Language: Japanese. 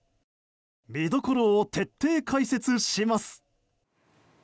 見どころを徹底解説します。